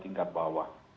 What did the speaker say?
di tingkat bawah